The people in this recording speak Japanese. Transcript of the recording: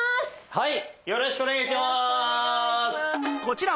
はい。